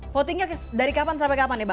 votingnya dari kapan sampai kapan nih bang